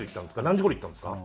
何時頃行ったんですか？